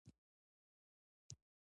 مچمچۍ د شاتو تولیدوونکې اصلیه ده